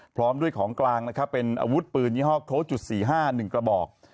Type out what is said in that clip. พร้อมด้วยของกลางนะครับเป็นอาวุธปืนยี่ห้อโค้ดจุด๔๕๑กระบอก